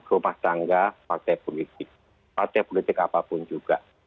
rumah tangga partai politik partai politik apapun juga